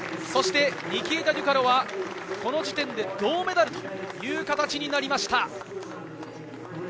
ニキータ・デュカロはこの時点で銅メダルという形になりました。